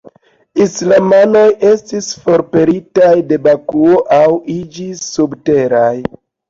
Islamanoj estis forpelitaj de Bakuo, aŭ iĝis subteraj.